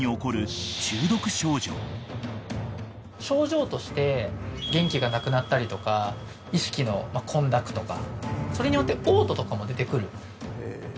症状として元気がなくなったりとか意識の混濁とかそれによって嘔吐とかも出てくる。